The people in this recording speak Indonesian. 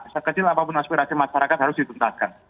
sekecil apapun aspirasi masyarakat harus dituntaskan